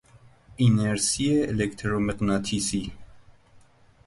اینرسی الکترومغناطیسی